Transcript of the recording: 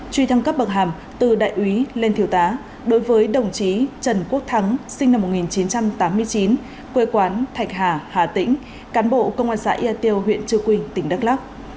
truy thăng cấp bậc hàm từ đại úy lên thiếu tá đối với đồng chí trần quốc thắng sinh năm một nghìn chín trăm tám mươi chín quê quán thạch hà hà tĩnh cán bộ công an xã yà tiêu huyện trư quynh tỉnh đắk lắc